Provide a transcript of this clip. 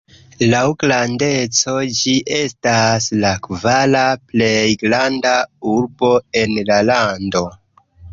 Laŭ grandeco ĝi estas la kvara plej granda urbo en la lando.